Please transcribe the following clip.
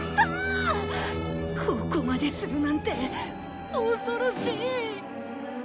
ここまでするなんて恐ろしい。